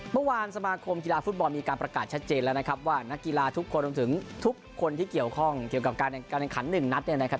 เมื่อวานสมาคมกีฬาฟุตบอลมีการประกาศชัดเจนแล้วนะครับว่านักกีฬาทุกคนรวมถึงทุกคนที่เกี่ยวข้องเกี่ยวกับการแข่งขันหนึ่งนัดเนี่ยนะครับ